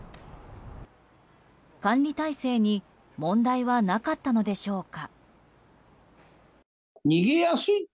管理体制に問題はなかったのでしょうか。